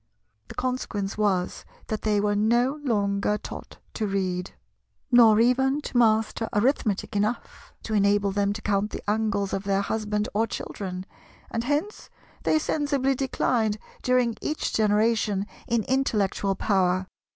The consequence was that they were no longer taught to read, nor even to master Arithmetic enough to enable them to count the angles of their husband or children; and hence they sensibly declined during each generation in intellectual power.